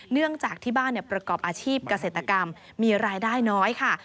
เนื่องจากที่บ้านประกอบอาชีพเกษตรกรรมมีรายได้น้อยค่ะ